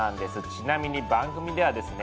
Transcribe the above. ちなみに番組ではですね